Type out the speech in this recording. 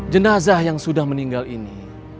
jenazah yang sudah meninggal ini